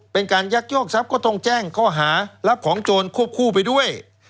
เป็นการยักยอกทรัพย์ก็ต้องแจ้งข้อหารับของโจรควบคู่ไปด้วย